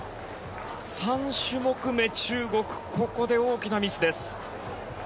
３種目め、中国ここで大きなミスです。